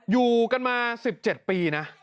อยู่กันมา๑๗ปีนะ